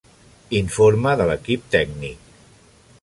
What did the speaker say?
Informe de l’equip tècnic.